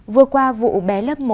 vừa qua vụ bé lớp một